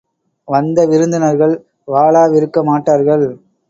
வந்த விருந்தினர்கள் வாளாவிருக்க மாட்டார்கள்.